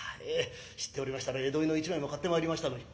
知っておりましたら江戸絵の一枚も買ってまいりましたのに。